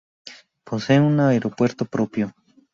Posee un aeropuerto propio.